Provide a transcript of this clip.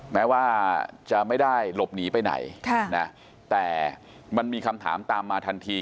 แม้ว่าจะไม่ได้หลบหนีไปไหนแต่มันมีคำถามตามมาทันที